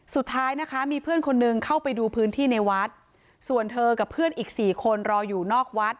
สุดท้ายนะคะมีเพื่อนคนนึงเข้าไปดูพื้นที่ในวัดส่วนเธอกับเพื่อนอีกสี่คนรออยู่นอกวัด